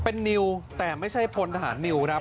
เป็นนิวแต่ไม่ใช่พลทหารนิวครับ